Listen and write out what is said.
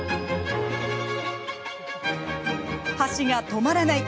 箸が止まらない。